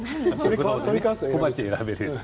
小鉢を選べるやつ